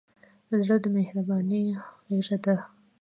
زړه د مهربانۍ غېږه ده.